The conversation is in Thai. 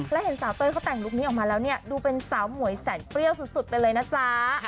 และเห็นสาวเต้ยเขาแต่งลุคนี้ออกมาแล้วเนี่ยดูเป็นสาวหมวยแสนเปรี้ยวสุดไปเลยนะจ๊ะ